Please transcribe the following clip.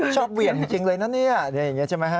เหวี่ยงจริงเลยนะเนี่ยอย่างนี้ใช่ไหมฮะ